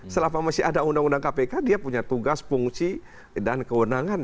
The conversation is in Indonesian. selama masih ada undang undang kpk dia punya tugas fungsi dan kewenangan